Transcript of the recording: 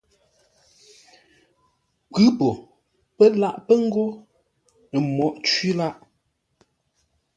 Kwʉ̌ po, pə́ laʼ pə́ ngô ə́ mǒghʼ cwí lâʼ.